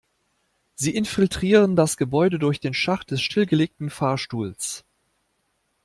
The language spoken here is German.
Sie infiltrieren das Gebäude durch den Schacht des stillgelegten Fahrstuhls.